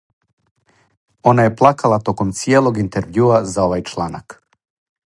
Она је плакала током цијелог интервјуа за овај чланак.